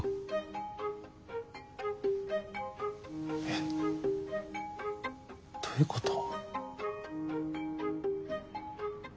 えどういうこと？